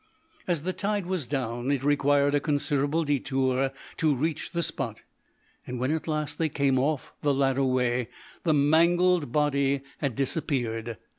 As the tide was down, it required a considerable detour to reach the spot, and when at last they came off the ladder way, the mangled body had disappeared.